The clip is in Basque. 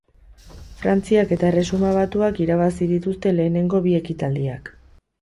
Frantziak eta Erresuma Batuak irabazi dituzte lehenengo bi ekitaldiak.